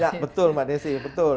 ya betul pak nessy betul